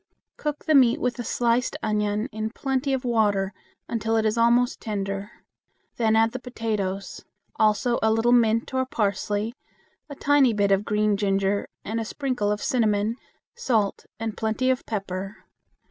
Cook the meat with a sliced onion in plenty of water until it is almost tender. Then add the potatoes; also a little mint or parsley, a tiny bit of green ginger, and a sprinkle of cinnamon, salt and plenty of pepper.